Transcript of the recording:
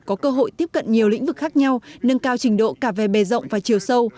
có cơ hội tiếp cận nhiều lĩnh vực khác nhau nâng cao trình độ cả về bề rộng và chiều sâu